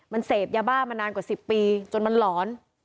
มันเสพยาบ้ามานานกว่า๑๐ปีจนมันหลอน